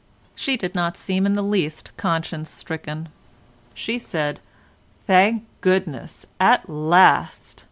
She did not seem in the least conscience stricken; she said: "Thank goodness, at last!"